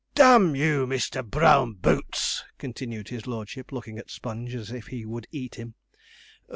D n you, Mr. Brown Boots!' continued his lordship, looking at Sponge as if he would eat him.